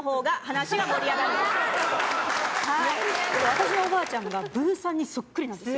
私のおばあちゃんがブーさんにそっくりなんですよ。